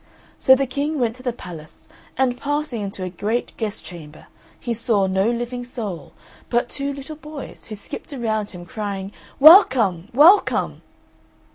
So the King went to the palace and passing into a great guest chamber he saw no living soul, but two little boys, who skipped around him crying, "Welcome, welcome!"